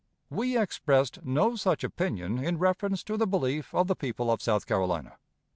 We expressed no such opinion in reference to the belief of the people of South Carolina.